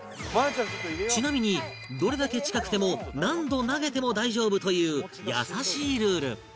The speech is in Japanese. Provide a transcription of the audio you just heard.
ちなみにどれだけ近くても何度投げても大丈夫という優しいルール